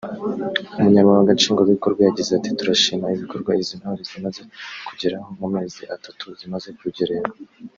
Umunyamabanga Nshingwabikorwa yagize ati "Turashima ibikorwa izi ntore zimaze kugeraho mu mezi atatu zimaze ku Rugerero